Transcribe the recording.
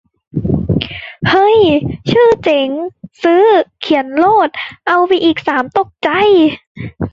เฮ้ย ชื่อเจ๋ง ! ซื้อ ! เขียนโลด ! เอาไปอีกสามตกใจ !